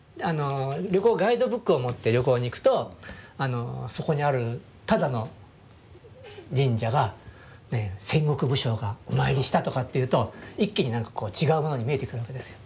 ガイドブックを持って旅行に行くとそこにあるただの神社が戦国武将がお参りしたとかっていうと一気に何かこう違うものに見えてくるわけですよ。